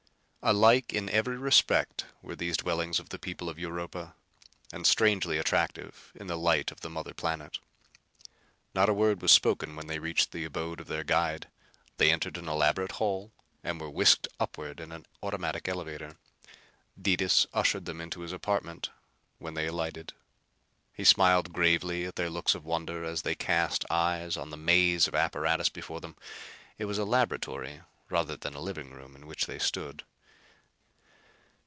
Alike in every respect were these dwellings of the people of Europa, and strangely attractive in the light of the mother planet. Not a word was spoken when they reached the abode of their guide. They entered an elaborate hall and were whisked upward in an automatic elevator. Detis ushered them into his apartment when they alighted. He smiled gravely at their looks of wonder as they cast eyes on the maze of apparatus before them. It was a laboratory rather than a living room in which they stood.